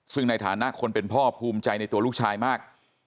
ซึ่งในฐานะคนเป็นพ่อภูมิใจในตัวลูกชายมาก